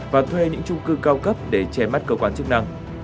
và thuê những trung cư cao cấp để che mắt cơ quan chức năng